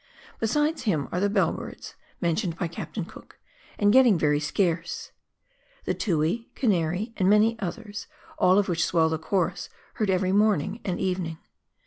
Besides him are the bell birds, mentioned by Captain Cook, and getting yery scarce ; the tui, canary, and many others, all of which swell the chorus heard every morning and evening.